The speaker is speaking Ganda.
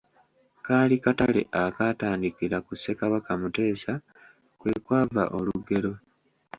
Kaali katale akaatandikira ku Ssekabaka Muteesa kwe kwava olugero.